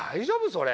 それ。